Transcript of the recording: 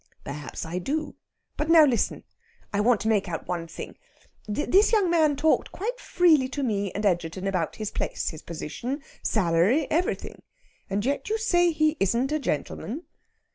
"Perhaps I do. But now listen. I want to make out one thing. This young man talked quite freely to me and Egerton about his place, his position, salary everything. And yet you say he isn't a gentleman."